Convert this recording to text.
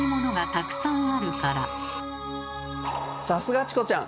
さすがチコちゃん！